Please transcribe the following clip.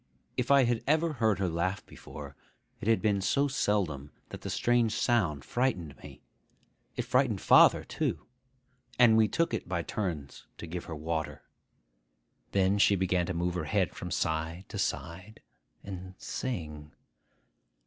If I had ever heard her laugh before, it had been so seldom that the strange sound frightened me. It frightened father too; and we took it by turns to give her water. Then she began to move her head from side to side, and sing.